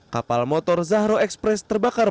kapal motor zahro express terbakar pada jam sepuluh